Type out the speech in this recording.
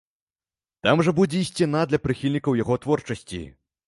Там жа будзе і сцяна для прыхільнікаў яго творчасці.